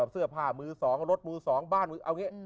เสื้อผ้ามือสองรถมือสองบ้านมือสอง